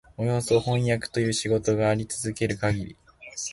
およそ飜訳という仕事があり続けるかぎり、